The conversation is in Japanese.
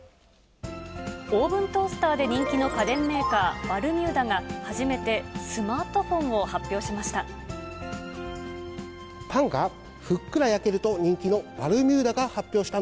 オーブントースターで人気に家電メーカー、バルミューダが初めてスマートフォンを発表しました。